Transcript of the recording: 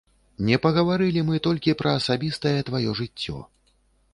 Не пагаварылі мы толькі пра асабістае тваё жыццё.